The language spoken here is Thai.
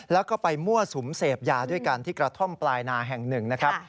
แล้วก็ไปมั่วสุมเสพยาด้วยกันที่กระท่อมปลายนาแห่งหนึ่งนะครับ